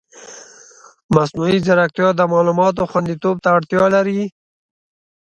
مصنوعي ځیرکتیا د معلوماتو خوندیتوب ته اړتیا لري.